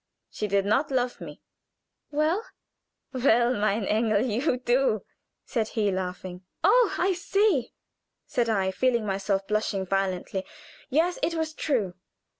She did not love me." "Well?" "Well! Mein Engel you do," said he, laughing. "Oh, I see!" said I, feeling myself blushing violently. Yes, it was true.